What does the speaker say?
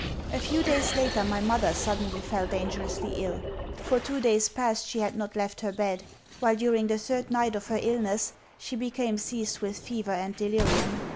A few days later, my mother suddenly fell dangerously ill. For two days past she had not left her bed, while during the third night of her illness she became seized with fever and delirium.